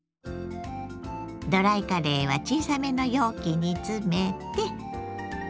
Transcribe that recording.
ドライカレーは小さめの容器に詰めて。